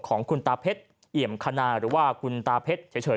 ของคุณตาเพชรเยี่ยมคณรหรือสามารถคุณตาเพชร